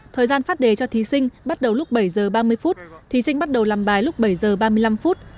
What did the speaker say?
thời gian phát đề cho thí sinh bắt đầu lúc bảy giờ ba mươi phút thí sinh bắt đầu làm bài lúc bảy giờ ba mươi năm phút